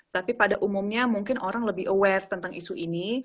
tapi pada umumnya mungkin orang lebih aware tentang isu ini